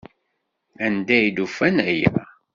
Anda ay d-ufan aya?